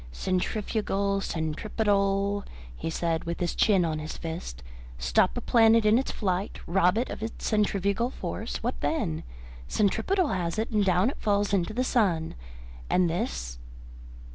"Centrifugal, centripetal," he said, with his chin on his fist. "Stop a planet in its flight, rob it of its centrifugal force, what then? Centripetal has it, and down it falls into the sun! And this